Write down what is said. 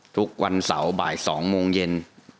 ทุกวันเสาร์บ่าย๒โมงเย็น